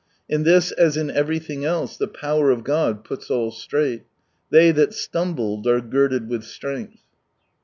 In this, as in everything else, the power of God puts all straight. They that stumbled are girded with strength